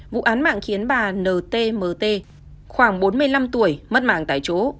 vụ án mạng khiến bà ntmt khoảng bốn mươi năm tuổi mất mạng tại chỗ